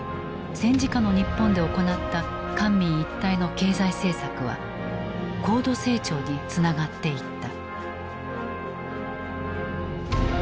戦時下の日本で行った官民一体の経済政策は高度成長につながっていった。